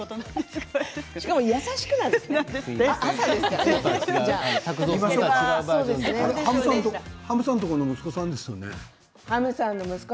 しかも優しくなんですね。